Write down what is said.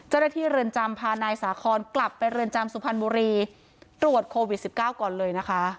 เรือนจำพานายสาคอนกลับไปเรือนจำสุพรรณบุรีตรวจโควิด๑๙ก่อนเลยนะคะ